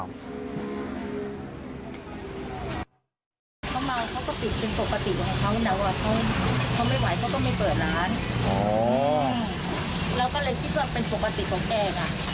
เราก็เลยคิดว่าเป็นสุขปฏิเสธของแก่ง